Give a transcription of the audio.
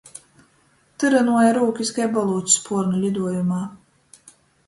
Tyrynuoja rūkys kai bolūds spuornu liduojumā.